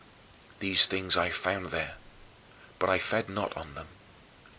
These things I found there, but I fed not on them.